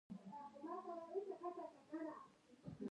په څۀ خبره ځان قصداً نۀ پوهه كول